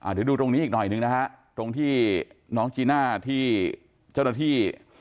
เดี๋ยวดูตรงนี้อีกหน่อยหนึ่งนะฮะตรงที่น้องจีน่าที่เจ้าหน้าที่